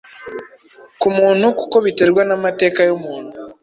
ku muntu kuko biterwa n’amateka y’umuntu